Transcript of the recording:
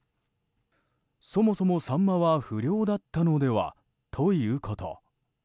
そもそもサンマは不漁だったのではということ。